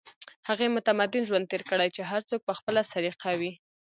هغې متمدن ژوند تېر کړی چې هر څوک په خپله سليقه وي